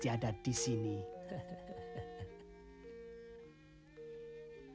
tuhan yang menjaga kita